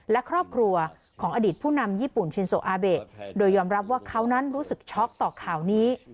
และครอบครัวของอดีตผู้นำญี่ปุ่นชินโซอาเบะโดยยอมรับว่าเขานั้นรู้สึกช็อกต่อข่าวนี้